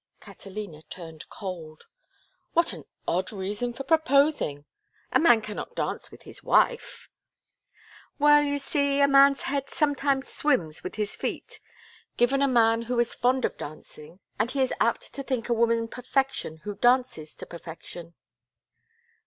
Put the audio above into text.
Catalina turned cold. "What an odd reason for proposing! A man cannot dance with his wife." "Well, you see, a man's head sometimes swims with his feet. Given a man who is fond of dancing and he is apt to think a woman perfection who dances to perfection."